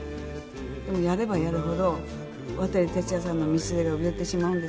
でもやればやるほど渡哲也さんの『みちづれ』が売れてしまうんですね